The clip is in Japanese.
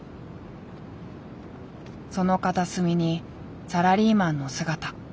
その片隅にサラリーマンの姿。